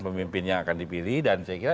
pemimpin yang akan dipilih dan saya kira